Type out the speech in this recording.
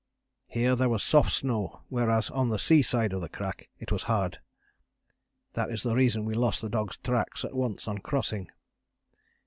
Here there was soft snow, whereas on the sea side of the crack it was hard: that is the reason we lost the dogs' tracks at once on crossing.